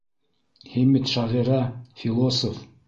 Һин бит шағирә, философ.